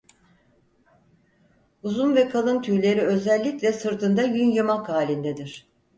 Uzun ve kalın tüyleri özellikle sırtında yün yumak halindedir.